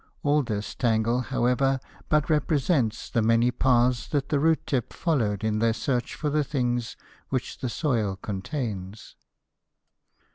All this tangle, however, but represents the many paths that the root tips followed in their search for the things which the soil contains.